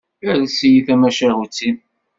Ales-iyi-d tamacahut-im.